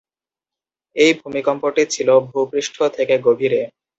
এই ভূমিকম্পটি ছিল ভূপৃষ্ঠ থেকে গভীরে।